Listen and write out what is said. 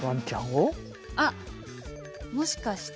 あっもしかして。